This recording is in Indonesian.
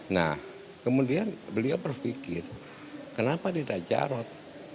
nah kemudian beliau berpikir kenapa tidak jarod